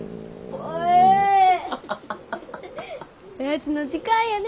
おやつの時間やね。